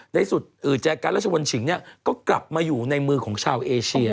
ในสุดแจกรรชฯราชวนศ์ชิงเนี่ยก็กลับมาอยู่ในมือของชาวเอเชีย